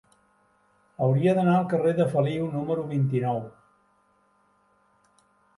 Hauria d'anar al carrer de Feliu número vint-i-nou.